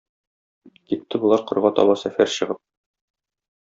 Китте болар кырга таба сәфәр чыгып.